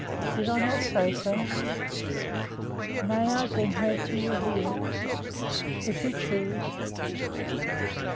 "Did I not say so?" "And may I bring her to you here?" "If you choose."